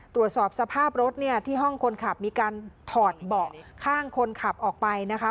ตรวจสอบสภาพรถเนี่ยที่ห้องคนขับมีการถอดเบาะข้างคนขับออกไปนะคะ